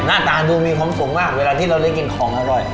หน้าตาดูมีความสุขมากเวลาที่เราได้กินของอร่อย